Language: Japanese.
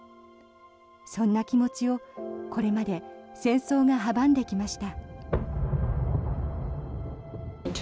そんな気持ちをこれまで戦争が阻んできました。